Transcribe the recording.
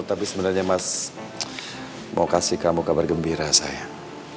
tapi sebenarnya mas mau kasih kamu kabar gembira saya